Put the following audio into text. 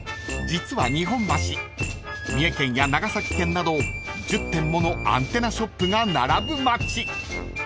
［実は日本橋三重県や長崎県など１０店ものアンテナショップが並ぶ街］